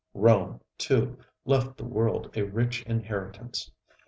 Rome, too, left the world a rich inheritance.